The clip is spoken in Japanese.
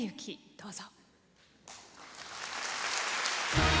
どうぞ。